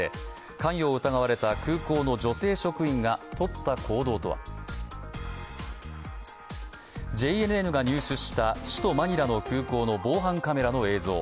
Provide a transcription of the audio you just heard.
関与を疑われた空港の女性職員が取った行動とはＪＮＮが入手した首都マニラの空港の防犯カメラの映像。